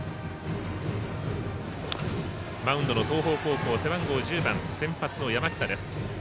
マウンドの東邦高校背番号１０番、先発の山北です。